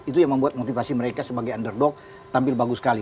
itu yang membuat motivasi mereka sebagai underdog tampil bagus sekali